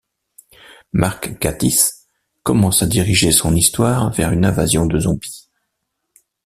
Mark Gatiss commence à diriger son histoire vers une invasion de zombies.